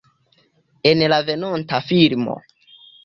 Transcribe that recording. En la venonta filmo.